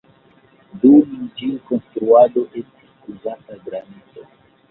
Dum ĝi konstruado estis uzita granito.